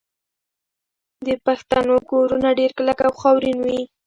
د پښتنو کورونه ډیر کلک او خاورین وي.